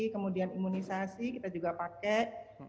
kemudian imunisasi kita juga pakai